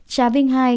trà vinh hai